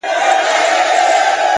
بریا د دوام محصول ده،